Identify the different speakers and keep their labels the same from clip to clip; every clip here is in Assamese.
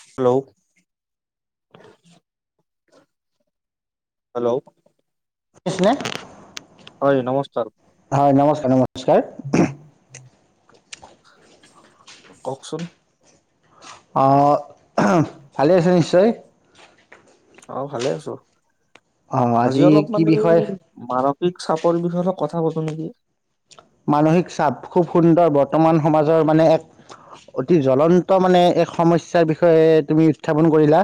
Speaker 1: হেল্ল' হেল্ল'
Speaker 2: কি হৈছিলে?
Speaker 1: হয় নমস্কাৰ
Speaker 2: হয় নমস্কাৰ নমস্কাৰ।
Speaker 1: কওকচোন।
Speaker 2: অ', ভালে আছে নিশ্চয়।
Speaker 1: অ', ভালে আছো।
Speaker 2: অ
Speaker 1: আজি অলপ
Speaker 2: কি
Speaker 1: মানে
Speaker 2: বিষয়
Speaker 1: মানস চাপৰ বিষয়ে এটা কথা পাতো নেকি?
Speaker 2: মানসিক চাপ, খুব সুন্দৰ বৰ্তমান সমাজৰ মানে এক, অতি জ্বলন্ত মানে এক সমস্যাৰ বিষয়ে তুমি উত্থাপন কৰিলা।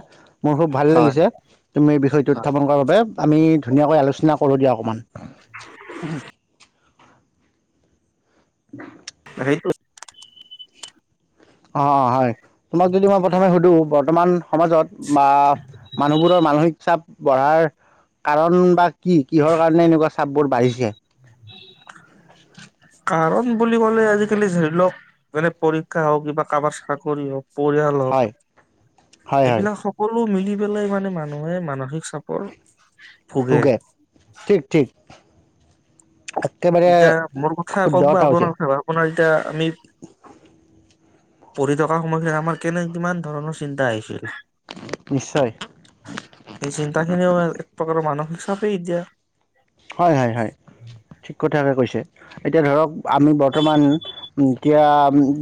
Speaker 2: মোৰ খুব ভাল
Speaker 1: হয়
Speaker 2: লাগিছে, তুমি এই বিষয়টো
Speaker 1: হয়
Speaker 2: উত্থাপন কৰাৰ বাবে। আমি ধুনীয়াকৈ আলোচনা কৰোঁ দিয়া অকণমান উ [unintelligible]
Speaker 1: সেইটো
Speaker 2: অ অ হয় তোমাক যদি মই প্ৰথমে সুধো বৰ্তমান সমাজত বা মানুহবোৰৰ মানসিক চাপ বঢ়াৰ কাৰণ বা কি কিহৰ কাৰণে এনেকুৱা চাপবোৰ বাঢ়িছে
Speaker 1: কাৰণ বুলি ক'লে আজিকালি ধৰি লওক মে পৰীক্ষা হওক বািব কাৰোবাৰ চাকৰি হওক
Speaker 2: হয় হয়
Speaker 1: পৰিয়ালক
Speaker 2: হয়
Speaker 1: এইবিলাক সকলো মিলি পেলাই মানে মানুহে মানসিক চাপত ভোগে
Speaker 2: ঠিক ঠিক একেবাৰে
Speaker 1: এতিয়া মোৰ কথা
Speaker 2: শুদ্ধ
Speaker 1: কওক বা
Speaker 2: হৈছে
Speaker 1: আপোনাৰ কথা আপোনাৰ এতিয়া আমি পঢ়ি থকা সময়খিনাত আমাৰ কেনে কিমান ধৰণৰ চিন্তা আহিছিল
Speaker 2: নিশ্চয়
Speaker 1: এই চিন্তা খিনিও এক প্ৰকাৰৰ মানসিক [unintelligible]
Speaker 2: হয় হয় হয় ঠিক কথা তাকে কৈছে এতিয়া ধৰক আমি বৰ্তমান এতিয়া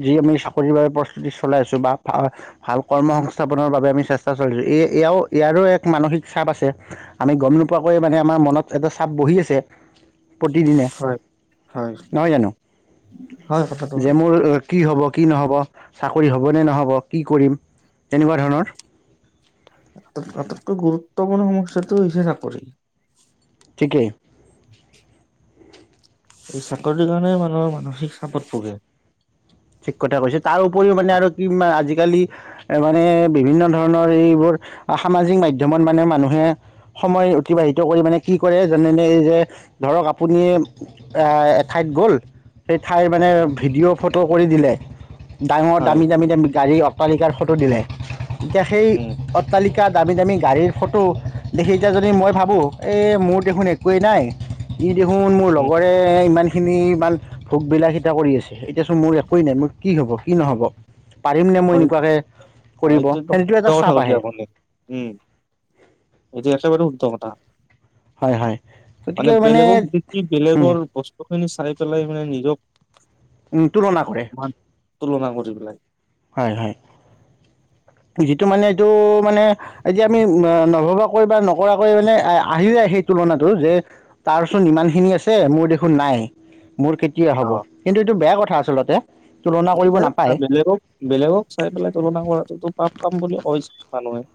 Speaker 2: যি আমি চাকৰিৰ বাবে প্ৰস্তুতি চলাই আছোঁ বা ভ ভাল কৰ্ম সংস্থাপনৰ বাবে আমি চেষ্টা চলাইছোঁ এয়াও ইয়াৰো এক মানসিক চাপ আছে আমি গম নোপোৱাকৈয়ে মানে আমাৰ মনত এটা চাপ বহি আছে প্ৰতিদিনে
Speaker 1: হয় হয়
Speaker 2: নহয় জানো
Speaker 1: হয় কথাটো হয়
Speaker 2: যে মোৰ কি হ'ব কি নহ'ব চাকৰি হ'বনেে নহ'ব কি কৰিম তেনেকুৱা ধৰণৰ
Speaker 1: এটাইতকৈ গুৰুত্বপূৰ্ণ সমস্যাটো ইচ ন কৰি
Speaker 2: ঠিকেই
Speaker 1: এই চাকৰিটোৰ কাৰণে মানুহৰ মানসিক চাপত পোগে
Speaker 2: ঠিক কথা কৈছে তাৰ উপৰিও মানে আৰু কি আজিকালি এ মানে বিভিন্ন ধৰণৰ স মাধত মানে মানে অবাহ মান আপু এত গ ম ভি কৰি দিলে ডাঙৰ
Speaker 1: হয়
Speaker 2: দামী দামী দামী গাড়ীখ তালিকাৰ ফটো দিলে এতিয়া সেই
Speaker 1: উম
Speaker 2: অট্টালিকা দামী দামী গাড়ীৰ ফটো দেখি যাজনী মই ভাবোঁ এই মোৰ দেখোন একোৱেই নাই দে শুন মোৰ
Speaker 1: উম
Speaker 2: লগৰে ইমান ইখিনি ইমান ভোগ-বিলাসিতা এটা কৰি আছে৷ এতিয়াচোন মোৰ একোৱে নাই৷মোৰ- কি হব কি নহ'ব? পাৰিমনে মই
Speaker 1: অ'-
Speaker 2: এনেকুৱাকৈ
Speaker 1: অ'
Speaker 2: কৰিব
Speaker 1: এইটো
Speaker 2: সেইটো এটা চাপ আহে
Speaker 1: [unintelligible] [unintelligible] অ'।
Speaker 2: হয় হয়৷
Speaker 1: মানে বেলেগক দেখি বেলেগৰ বস্তুখিনি চাই পেলাই মানে নিজক
Speaker 2: তুলনা কৰে
Speaker 1: মান তুলনা কৰে৷ [unintelligible] পেলাই৷
Speaker 2: হয় হয়৷ যিটো মানে, এইটো মানে এতিয়া আমি নভবাকৈ বা নকৰাকৈ মানে আহি যায় সেই তুলনাটো যে তাৰচোন ইমান খিনি আছে মোৰ দেখোন নাইয়ে। মোৰ কেতিয়া হ'ব, কিন্তু এইটো বেয়া কথা। থা আচলতে। তুলনা
Speaker 1: এইটো
Speaker 2: কৰিব
Speaker 1: বেয়া কথা
Speaker 2: নাপায়
Speaker 1: বেলেগক-বেলেগক চাই পেলাই তুলনা কৰাটো টো পাপ কাম বুলি কয় চোন মানুহে।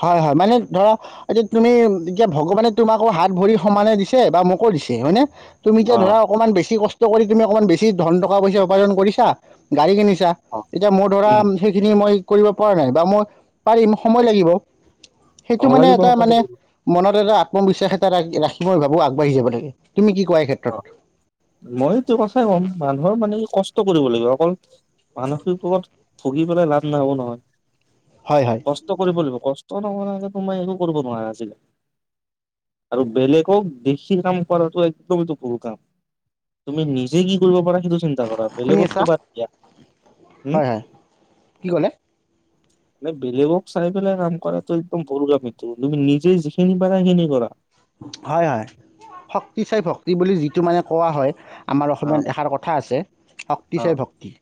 Speaker 2: হয় হয়, মানে ধৰা এতিয়া তুমি এতিয়া ভগৱানে তোমাকো হাত-ভৰি সমানে দিছে বা মোকো দিছে। হয়নে? তুমি এতিয়া
Speaker 1: অ
Speaker 2: ধৰা অকমান বেছি কষ্ট- কষ্ট কৰি তুমি অকমান বেছি ধন, টকা-পইচা উপাৰ্জন কৰিছা। গাড়ী কিনি ছা,
Speaker 1: অ
Speaker 2: এতিয়া মোৰ ধৰা
Speaker 1: উম
Speaker 2: সেইখিনি মই কৰিব পৰা নাই, বা মই পাৰিম সময় লাগিব৷ সেইটো
Speaker 1: হ'ব
Speaker 2: মানে
Speaker 1: লাগিব
Speaker 2: এটা
Speaker 1: সকলো
Speaker 2: মানে
Speaker 1: লাগিব
Speaker 2: মনত এটা আত্মবিশ্বাস এটা ৰাখ ৰাখি মই ভাবো আগবাঢ়ি যাব লাগে৷ তুমি কি কোৱা এই
Speaker 1: অ
Speaker 2: ক্ষেত্ৰত
Speaker 1: মই এইটো কথাই ক'ম, মানুহৰ মানে কি কষ্ ট কৰিব লাগিব অকল মানসিক ৰোগত ভুগি পেলাই লাভ নহ'ব নহয়৷
Speaker 2: হয় হয়
Speaker 1: কষ্ট কৰিব লাগিব কষ্ট৷ কষ্ট নকৰাকে তুমি একো কৰিব নোৱাৰা আজিলে, আৰু বেলেগক দেখি কাম কৰাটো এক দম টো ভুল কাম৷ তুমি নিজে কি কৰিব পাৰা সেইটো চিন্তা কৰা৷
Speaker 2: শুনি
Speaker 1: বেলেগৰ টো
Speaker 2: আছা
Speaker 1: বাদ দিয়া উম
Speaker 2: হয় হয় কি ক'লে
Speaker 1: মানে বেলেগক চাই পেলাই কাম কৰাটো একদম ভুল কাম এইটো৷ তুমি নিজে যিখিনি পাৰা সিখিনি কৰা৷
Speaker 2: হয় হয় শক্তি চাই ভক্তি বুলি যিটো মানে কোৱা হয়, আমাৰ
Speaker 1: অ',
Speaker 2: অসমীয়াত এষাৰ কথা আছে - শক্তি চাই
Speaker 1: অ',
Speaker 2: ভক্তি৷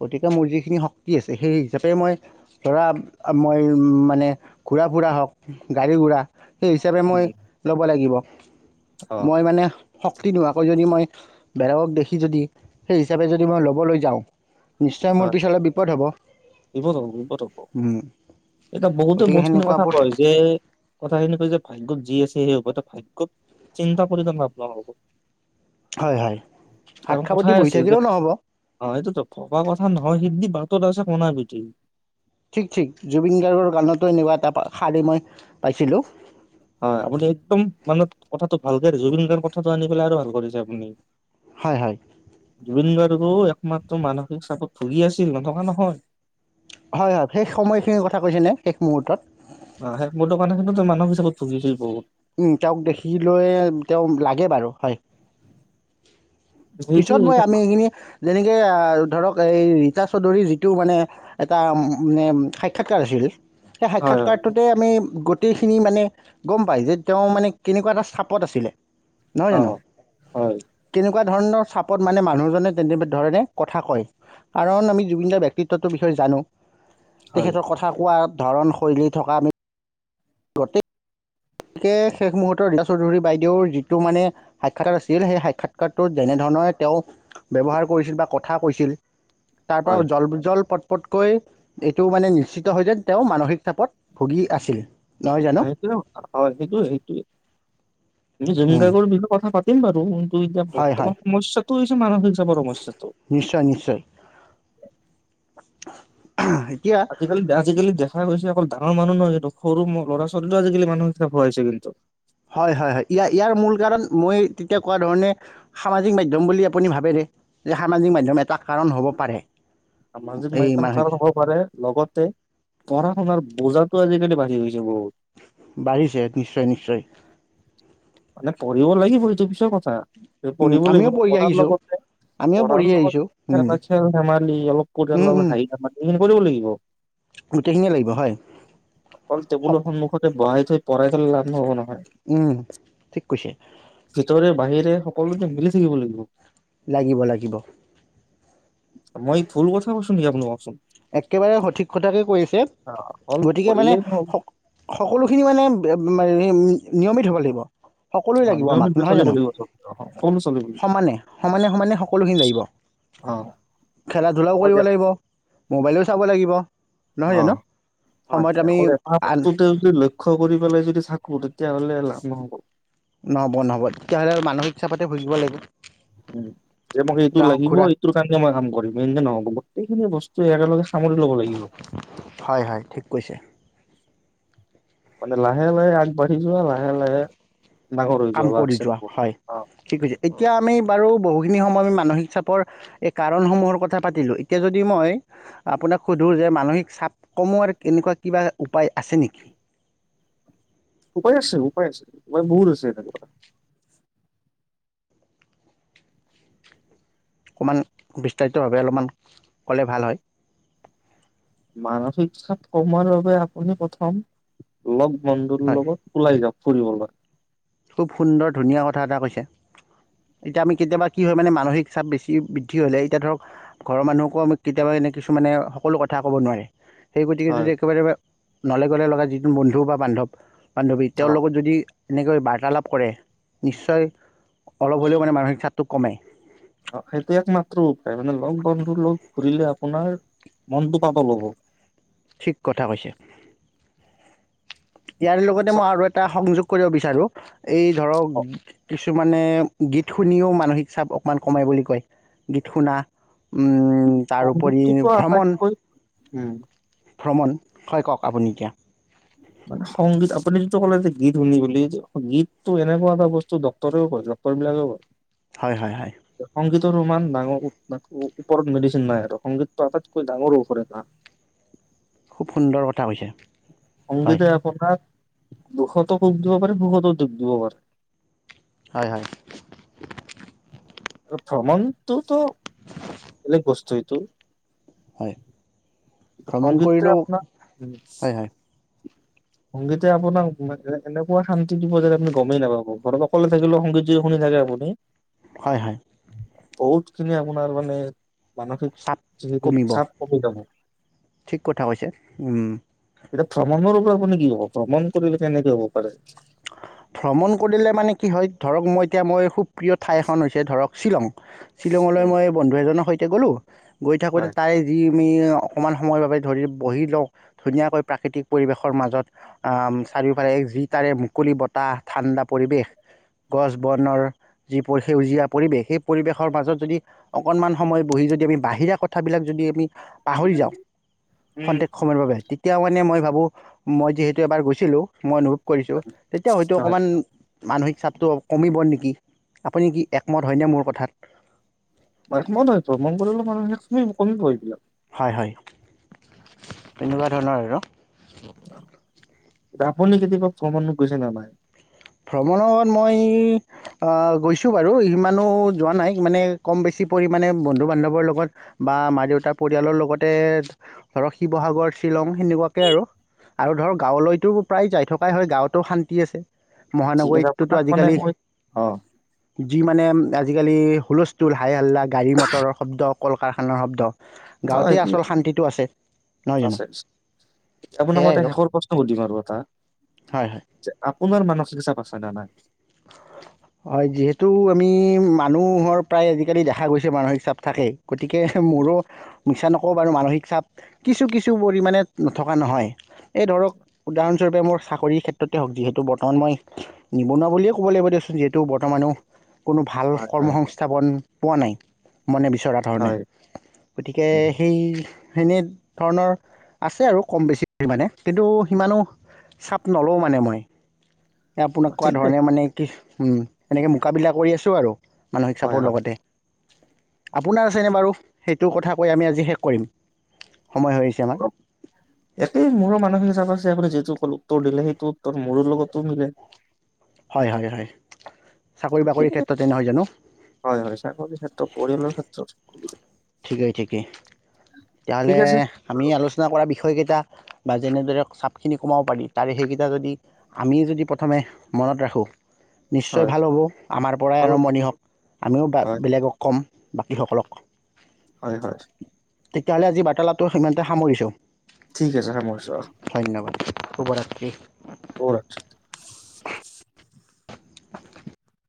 Speaker 2: গতিকে মোৰ যিখিনি শক্তি আছে, সেই হিচাপে মই ধৰা মই মানে ঘুৰা-ফুৰা হওক, গাড়ী ঘোঁৰা সেই হিচাপে মই
Speaker 1: উম,
Speaker 2: লব লাগিব৷
Speaker 1: অ',
Speaker 2: মই মানে শক্তি নোহোৱাকৈ যদি মই বেলেগক দেখি যদি সেই হিচাপে যদি মই ল'বলৈ যাওঁ নিশ্চয় মোৰ
Speaker 1: হয়
Speaker 2: পিছলৈ বিপদ হ'ব
Speaker 1: বিপদ হব বিপদ হব এতিয়া বহুতে
Speaker 2: গতিকে
Speaker 1: বহুতখিনি কথা
Speaker 2: সেনেকুৱাবোৰ
Speaker 1: কয় যে কথাখিনি কয় যে যি আছে সেই হ'ব এ ভাগ্যত চিন্তা কৰি তো লাফ নহ'ব।
Speaker 2: হয়, হয়, ভাত
Speaker 1: কাৰণ
Speaker 2: খাব দি
Speaker 1: কথাই
Speaker 2: বহি থাকিলেও নহ'ব।
Speaker 1: ক কথা নহয়, সিদি বাটত আছে কনা পিটি
Speaker 2: ঠিক-ঠিক জুবিন গাৰ্গৰ গানতো এনেকুৱা এটা শাৰী মই পাইছিলো।
Speaker 1: হয় আপুনি একদম মানে কথাটো ভালকে জুবিন গাৰ্গ কথাটো আনি পেলাই আৰু ভাল কৰিছে আপুনি।
Speaker 2: হয় হয়
Speaker 1: জুবিন গ একমাত্ৰ মানসিক চাপত ভুগি আছিল, নথকা নহয়।
Speaker 2: হয়, হয়, শেষ সময়খিনিৰ কথা কৈছে নে, শেষ মুহূৰ্তত?
Speaker 1: অহ শেষ মুহূৰ্তত মানে কিন্তু মানৱ হিচাপে ভুগিছিল বহুত
Speaker 2: উম, তেওঁক দেখি লৈ, তেওঁ লাগে বাৰু হয়।
Speaker 1: সেইটো
Speaker 2: পিছত মই,
Speaker 1: এটা
Speaker 2: আমি
Speaker 1: হয়
Speaker 2: এইখিনি যেনেকে ধৰক এই ৰীতা চৌধুৰী যিটো মানে এটা মানে সাক্ষাৎকাৰ আছিল সেই
Speaker 1: হয়
Speaker 2: সাক্ষাৎকাৰটোতে আমি গোটেইখিনি মানে গম পায় যে তেওঁ মানে কেনেকুৱা এটা স্থাপত আছিলে? নহয় জানো,
Speaker 1: অ' হয়
Speaker 2: কিন এনেকুৱা ধৰণৰ চাপত মানে মানুহজনে তেনেধৰণে কথা কয়, কাৰণ আমি জুবিনদাৰ ব্যক্তিত্বটোৰ বিষয়ে জানো।
Speaker 1: হয়
Speaker 2: তেখেতৰ কথা কোৱাত ধৰণ শৈলী থকা আমি গোটেই গতিকে শেষ মুহূৰ্ত ৰীতা চৌধুৰী বাইদেউৰ যিটো মানে সাক্ষাৎকাৰ আছিল, সেই সাক্ষাৎকাৰটোত যেনেধৰণে তেওঁ ব্যৱহাৰ কৰিছিল বা কথা কৈছিল তাৰ
Speaker 1: হয়
Speaker 2: পৰা জল-জল প তকৈ এইটো মানে নিশ্চিত হয় যেন তেওঁ মানসিক চাপত ভুগি আছিল। নহয় জানো
Speaker 1: সেইটোও হয়। সেইটোৱ-সেইটোৱে। তুমি জুবিন গাৰ্গৰ বিষয় কথা পা তিন বাৰু এতিয়া
Speaker 2: হয় হয়
Speaker 1: বৰ্তমান সমস্যাটো হৈছে মানসিক চাপৰ সমস্যাটো।
Speaker 2: নিশ্চয় নিশ্চয় এতিয়া
Speaker 1: আজিকালি, আজিকালি দেখা গৈছে অকল অ মানুহ নহয় এইটো, সৰু ম ল'ৰা-ছোৱালীতো আজিকালি মানুহিতাপোৱাছে কিন্তু
Speaker 2: হয়, হয়, হয়, ইয়াৰ-ইয়াৰ মূল কাৰণ, মই তেতিয়া কোৱা ধৰণে, সামাজিক মাধ্যম বুলি আপুনি ভাবে নে? যে সামাজিক মাধ্যম এটা কাৰণ হ'ব পাৰে।
Speaker 1: সামাজিক
Speaker 2: এই
Speaker 1: মাধ্যাম
Speaker 2: মানসিক
Speaker 1: কাৰণ হ'ব পাৰে, লগতে পঢ়া শুনাৰ বজাটো আজিকালি বাঢ়ি গৈ
Speaker 2: বাঢ়িছে, নিশ্চয়-নিশ্চয়।
Speaker 1: না পঢ়িব লাগিব সিটো পিছৰ কথা।
Speaker 2: উম,
Speaker 1: পঢ়িব লাগিব,
Speaker 2: আমিও পঢ়ি
Speaker 1: পঢ়াৰ
Speaker 2: আহিছোঁ
Speaker 1: লগতে,
Speaker 2: আমিও
Speaker 1: পঢ়াৰ
Speaker 2: পঢ়ি আহিছোঁ
Speaker 1: লগতে,
Speaker 2: উম,
Speaker 1: খেল-ধেমালি অলপ কৰি
Speaker 2: উম, উম,
Speaker 1: হাঁহি-ধেমালি কৰিব লাগিব।
Speaker 2: গোটেইখিনিয়ে লাগিব হয়
Speaker 1: অকল
Speaker 2: সক
Speaker 1: টেবুলৰ সন্মুখতে বহাই থৈ পঢ়াই লাভ নহ'ব নহয়।
Speaker 2: উম ঠিক কৈছে।
Speaker 1: ভিতৰে বাহিৰে সকলোতে মিলি থাকিব লাগিব।
Speaker 2: লাগিব লাগিব।
Speaker 1: মই ভূল কথা কছো নেকি আপোন কওকচোন।
Speaker 2: একেবাৰে সঠিক কথাকে কৈছে।
Speaker 1: অ অকল
Speaker 2: গতিকে মানে
Speaker 1: পঢ়িলেই নহ'ব
Speaker 2: স সকলোখিনি মানে নিয়মিত হ'ব লাগিব। সকলো জাগিব আমাক
Speaker 1: নিয়মিত
Speaker 2: নহয়
Speaker 1: চলিব
Speaker 2: জানো
Speaker 1: লাগিব চব সকলো চলিব লাগিব
Speaker 2: সমানে সমানে সমানে সকলোখিনি লাগিব
Speaker 1: অ
Speaker 2: খেলা ধূলাও
Speaker 1: অকল
Speaker 2: কৰিব লাগিব। মোবাইলো চাব লাগিব। নহয়
Speaker 1: অ
Speaker 2: জানো সময়ত আমি
Speaker 1: হয়ো এটা
Speaker 2: আন
Speaker 1: বস্তুতে যদি লক্ষ্যয় কৰি পেলাই যদি থাকো। তেতিয়াহ'লে লাভ নহ'ব।
Speaker 2: নহ'ব নহ'ব তেতিয়াহ'লে মানসিক। চাপতে ভুগিব লাগিব
Speaker 1: উ যে মোক এইটো
Speaker 2: গ্ৰাহক
Speaker 1: লাগিব
Speaker 2: ঘূৰা
Speaker 1: এইটোৰ কাৰণে মই কাম কৰিম এনেকে নহ'ব গোটেইখিনি বস্তু। ত একেলগে সামৰি ল'ব লাগিব।
Speaker 2: হয় হয় ঠিক কৈছে
Speaker 1: মানে লাহে লাহে আগ। বাঢ়ি যোৱা লাহে লাহে ডাঙৰ হৈ
Speaker 2: কাম
Speaker 1: যোৱা বা
Speaker 2: কৰি
Speaker 1: আছেনেক
Speaker 2: হয়
Speaker 1: অ।
Speaker 2: ঠিক কৈছে এতিয়া আমি বাৰু বহুখিনি সময় মানসিক চাপৰ এই কাৰণসমূহৰ কথা পাতিলো। এতিয়া যদি মই আপোনাক সোধো যে মানসিক চাপ কমোৱাৰ কেনেকুৱা কিবা উপায় আছে নেকি?
Speaker 1: উপাই আছে উপায় আছে উপায় বহুত আছে।
Speaker 2: অকণমান বিস্তাৰিতভাৱে অলপমান ক'লে ভাল হয়।
Speaker 1: মানসিক চাপ কমোৱাৰ বাবে আপুনি প্ৰথম লগ। বন্ধুৰ
Speaker 2: হয়
Speaker 1: লগত ওলাই যাওঁক। পৰিিবল [unintelligible]
Speaker 2: খুব সুন্দৰ ধুনীয়া কথা এটা কৈছে। এতিয়া আমি কেতিয়াবা কি হয় মানে মানসিক চাপ বেছি বৃদ্ধি হ'লে এতিয়া ধৰক ঘৰৰ মানুহকো আমি কেতিয়াবা এনে কিছু মানে সকলো কথা ক'ব নোৱাৰে। সেই গতিকে যদি
Speaker 1: হয়
Speaker 2: একেবাৰে নলেগ। ন'লে গ'লে লগা যিটো বন্ধু বা বান্ধৱ। বান্ধৱী তেওঁৰ
Speaker 1: অ'।
Speaker 2: লগত যদি। তেনেকৈ বাহি তালাপ কৰে। নিশ্বয় টো কমে।
Speaker 1: অ সেইটো একমাত্ৰ উপায় মানে লগ বন্ধু লগ ঘূৰিলে।
Speaker 2: ঠিক কথা কৈছে। ইয়াৰ লগতে মই
Speaker 1: তাৰপিছত
Speaker 2: আৰু এটা সংযোগ। কৰিব বিচাৰো এই ধৰক কিছু কিছুমানে গীত শুনিও মানসিক চাপ অকণমান কমে বুলি কয়। গীত শুনা, উম উম, তাৰোপৰি
Speaker 1: সংগীতটোতো
Speaker 2: ভ্ৰমণ
Speaker 1: আটাইতকৈ উম
Speaker 2: ভ্ৰমণ। হয় কওক আপুনি এতিয়া,
Speaker 1: মানে সংগীত। আপুনি যিটো ক'লে যে গীত শুনি বুলি, গীতটো এনেকুৱা এটা বস্তু ডক্তৰেও কয় ডক্তৰবিলাকেও কয়
Speaker 2: হয়। হয়। হয়।
Speaker 1: সংগীতৰ সমান ডাঙৰ -ওপৰত মেডিচিন নাই আৰু। সংগীতটো আটাইতকৈ ডাঙৰ ঔষধ এটা।
Speaker 2: খুব সুন্দৰ কথা কৈছে। হয়
Speaker 1: সংগীতে আপোনাৰ দুখতো সুখ দিব পাৰে। সুখতো দুখ দিব পাৰে।
Speaker 2: হয়। হয়।
Speaker 1: ভ্ৰমণটো তো বেলেগ বস্তু তো
Speaker 2: হয়।
Speaker 1: কিন্তু
Speaker 2: ভ্ৰমণ
Speaker 1: সংগীতটোৱে
Speaker 2: কৰিলেও
Speaker 1: আপোনাক উম
Speaker 2: হয় হয়
Speaker 1: সংগীতে আপোনাক এনে- এনেকুৱা শান্তি দিব যে আপুনি গমেই নাপাব। ঘৰত অকলে থাকিলেও সংগীত যদি শুনি থাকে আপুনি
Speaker 2: হয়। হয়।
Speaker 1: বহুত খিনি আপোনাৰ মানে মানসিক
Speaker 2: চাপ
Speaker 1: যিখিনি
Speaker 2: কমিব।
Speaker 1: চাপ কমি যাব।
Speaker 2: ঠিক কথা কৈছে। উম
Speaker 1: এতিয়া ভ্ৰমণৰ ওপৰত আপুনি কি ক'ব? ভ্ৰমণ কৰিলে কেনেকে হ'ব পাৰে?
Speaker 2: ভ্ৰমণ কৰিলে মানে কি হয় ধৰক, মই এতিয়া মই খুব প্ৰিয় ঠাই এখন হৈছে ধৰক শ্বিলং শ্বিলঙলৈ
Speaker 1: উম,
Speaker 2: মই বন্ধু এজনৰ সৈতে -তে গ'লো। গৈ থাকোঁতে তাৰে যি আমি অকণমান সময়ৰ বাবে ধৰি বহি লওঁ, ধুনীয়াকৈ প্ৰাকৃতিক পৰিৱেশৰ মাজত। চাৰিওফালে যি তাৰে মুকলি বতাহ, ঠাণ্ডা পৰিৱেশ, গছ বনৰ যি পৰি- সেউজীয়া পৰিৱেশ। সেই পৰিৱেশৰ মাজত যদি অকণমান সময় বহি যদি আমি বাহিৰা কথাবিলাক যদি আমি পাহৰি যাওঁ, ক্ষন্তেক সময়ৰ বাবে তেতিয়াও মানে মই ভাবো, মই যিহেতু এবাৰ গৈছিলো। মই অনুভৱ কৰিম তেতিয়া হয়তো
Speaker 1: হয়
Speaker 2: অকমান মানসিক চাপটো কমিব নেকি? আপুনি কি একমত হয়নে মোৰ কথাত?
Speaker 1: ম, মন একমত হয়, ভ্ৰমন কৰিলে মানুহৰ কমিব এইবিলাক
Speaker 2: হয়। হয়। তেনেকুৱা ধৰণৰ আৰু,
Speaker 1: [inaudible] এ আপুনি কেতিয়াবা ভ্ৰমণত গৈছে নে নাই?
Speaker 2: ভ্ৰমণত মই গৈছোঁ বাৰু। ইমানো যোৱা নাই। মানে কম বেছি পৰিমাণে বন্ধু-বান্ধৱৰ লগত বা মা-দেউতাৰ পৰিয়ালৰ লগতে ধৰক শিৱসাগৰ, শ্বিলং সেনেকুৱাকে আৰু। আৰু ধৰক গাঁৱলৈতো প্ৰায় যায় থকাই হয় গাঁৱতো শান্তি আছে।
Speaker 1: ঠিক আছে
Speaker 2: মহানগৰীতটোতো
Speaker 1: আপোনাক মানে
Speaker 2: আজিকালি
Speaker 1: মই অ অ',
Speaker 2: যি মানে আজিকালি হুলস্থুল হাই হাল্লা, গাড়ী মটৰৰ শব্দ, কল কাৰখানাৰ শব্দ। গাঁৱতেই
Speaker 1: অ'সেইটোৱে,
Speaker 2: আচল শান্তিটো আছে নহয় জানো
Speaker 1: আছে আপোনাক মই
Speaker 2: সেয়াই
Speaker 1: এটা
Speaker 2: আৰু
Speaker 1: শেষৰ প্ৰশ্ন সুধিম আৰু এটা
Speaker 2: হয় হয়
Speaker 1: পুনৰ মানসিক চাপ আছে না নাই।
Speaker 2: হয় যিহেতু আমি মানুহৰ প্ৰায় আজিকালি দেখা গৈছে মানসিক চাপ থাকে গতিকে মোৰো মিছা নকওঁ বাৰু মানসিক চাপ কিছু কিছু পৰিমাণে নথকা নহয়। এই ধৰক উদাহৰণ মোৰ চাকৰিৰ ক্ষেত্ৰতে হওক যিহেতু বৰ্তমান মই নিবনুৱা বুলি ক'ব লাগিব দিয়চোন যিহেতু বৰ্তমানেও কোনো ভাল
Speaker 1: হয়
Speaker 2: কৰ্ম
Speaker 1: হয়
Speaker 2: সংংস্থাপন পোৱা নাই। মনে বিচৰা ধৰণে।
Speaker 1: হয়
Speaker 2: গতিকে
Speaker 1: উম,
Speaker 2: সেই সেনেধৰণৰ আছে আৰু কম বেছি পৰিমাণে কিন্তু সিমানো চাপ নলওঁ মানে মই। আপোনাক কোৱা
Speaker 1: ঠিকে
Speaker 2: ধৰণে মানে উম, এনেকে মোকাবিলা কৰি আছো আৰু। মানসিক
Speaker 1: হয়
Speaker 2: চাপৰ
Speaker 1: হয়
Speaker 2: লগতে আপোনাৰ আছেনে বাৰু সেইটো কথা কৈ আমি আজি শেষ কৰিম। সময় হৈ আহিছে আমাৰ
Speaker 1: একেই মোৰো মানসিক আছে আপোনি যি যিটো উত্তৰ দিলে সেইটো উত্তৰ মোৰো লগতো মিলে।
Speaker 2: হয়, হয়, হয়। চাকৰি বাকৰিৰ ক্ষেত্ৰতে নহয় জানো
Speaker 1: হয় হয় চাকৰিৰ ক্ষেত্ৰ পৰিয়ালৰ ক্ষেত্ৰত। [inaudible]
Speaker 2: ঠিকেই ঠিকেই,
Speaker 1: ঠিক
Speaker 2: তেতিয়াহ'লে
Speaker 1: আছে
Speaker 2: আমি আলোচনা কৰা বিষয়কেইটা বা যেনেদৰে চাপখিনি কমাব পাৰি তাৰে সেইকেইটা যদি আমি যদি প্ৰথমে মনত ৰাখোঁ। নিশ্চয়
Speaker 1: হয়
Speaker 2: ভাল হ'ব আমাৰ পৰাই
Speaker 1: ভাল
Speaker 2: আৰম্ভণি হওক আমিও
Speaker 1: হয়
Speaker 2: বেলেগক ক'ম। বাকীসকলক।
Speaker 1: হয় হয়।
Speaker 2: তেতিয়াহ'লে আজি বাৰ্তালাটো সিমানতে সামৰিছো।
Speaker 1: ঠিক আছে সামৰিছো অ'।
Speaker 2: শুভৰাত্ৰি।
Speaker 1: [inaudible]
Speaker 2: [inaudible]